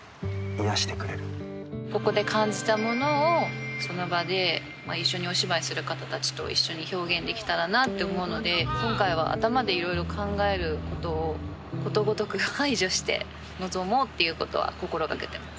ここで感じたものをその場で一緒にお芝居する方たちと一緒に表現できたらなと思うので今回は頭でいろいろ考えることをことごとく排除して臨もうっていうことは心がけてます。